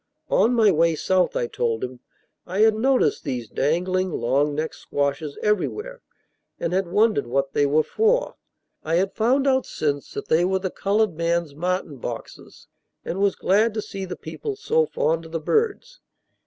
On my way South, I told him, I had noticed these dangling long necked squashes everywhere, and had wondered what they were for. I had found out since that they were the colored man's martin boxes, and was glad to see the people so fond of the birds.